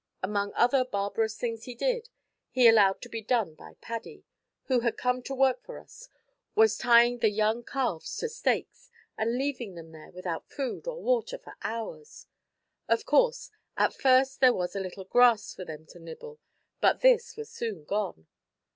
Among other barbarous things he did, and allowed to be done by Paddy, who had come to work for us, was tying the young calves to stakes and leaving them there without food or water for hours. Of course, at first there was a little grass for them to nibble, but this was soon gone.